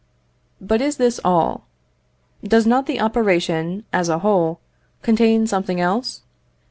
But is this all? Does not the operation, as a whole, contain something else?